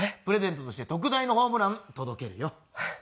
プレゼントとして特大のホームラン届けるよ。